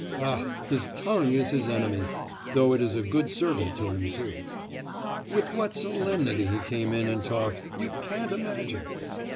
Ah! his tongue is his enemy. Though it's a good servant to him too.' 'With what solemnity he came in and talked, you can't imagine!